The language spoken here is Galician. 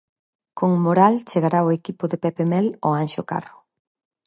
Con moral chegará o equipo de Pepe Mel ao Anxo Carro.